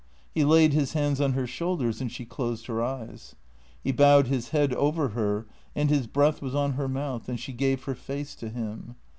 He laid his hands on her shoulders, and she closed her eyes. He bowed his head over her and his breath was on her mouth and she gave her face to him.